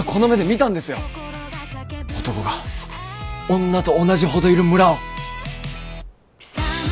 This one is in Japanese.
男が女と同じほどいる村を！